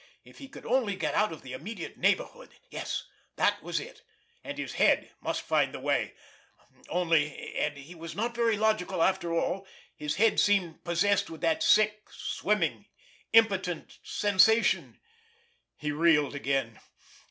If he could only get out of the immediate neighborhood ... yes, that was it ... and his head must find the way ... only, and he was not very logical after all, his head seemed possessed with that sick, swimming, impotent sensation. He reeled again.